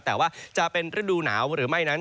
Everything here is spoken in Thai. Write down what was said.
แต่ว่าจะเป็นฤดูหนาวหรือไม่นั้น